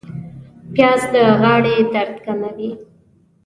پیاز د غاړې درد کموي